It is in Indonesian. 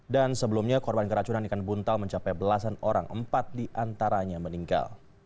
dan sebelumnya korban keracunan ikan buntal mencapai belasan orang empat diantaranya meninggal